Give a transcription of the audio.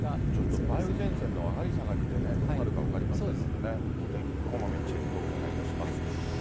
ちょっと梅雨前線の上がり下がりでね、どうなるか分かりませんのでね、お天気、こまめにチェックをお願いします。